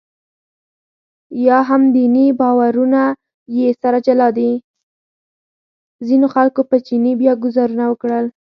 ځینو خلکو په چیني بیا ګوزارونه وکړل.